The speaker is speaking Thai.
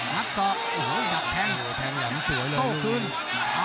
เป็นลุกซ้ายสวยนะ